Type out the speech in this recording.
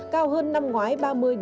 cao hơn năm ngoái ba mươi bốn mươi